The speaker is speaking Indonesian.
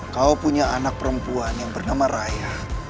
kau punya anak perempuan yang bernama raya